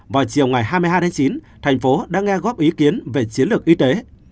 vào chiều ngày hai mươi hai tháng chín thành phố đã nghe góp ý kiến về chiến lược y tế